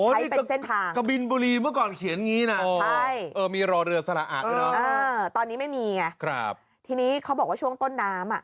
ใช้เป็นเส้นทางใช่ตอนนี้ไม่มีทีนี้เขาบอกว่าช่วงต้นน้ำ